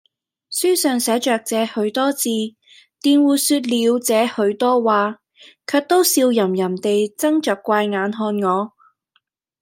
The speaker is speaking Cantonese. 書上寫着這許多字，佃戶說了這許多話，卻都笑吟吟的睜着怪眼看我。